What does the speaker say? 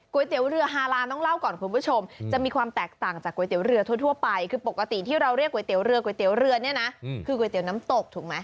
เตี๋ยวเรือฮาลานต้องเล่าก่อนคุณผู้ชมจะมีความแตกต่างจากก๋วยเตี๋ยวเรือทั่วไปคือปกติที่เราเรียกก๋วเรือก๋วยเตี๋ยวเรือเนี่ยนะคือก๋วยเตี๋ยวน้ำตกถูกไหม